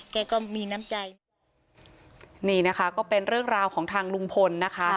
ก็มีน้ำใจนี่นะคะก็เป็นเรื่องราวของทางลุงพลนะคะ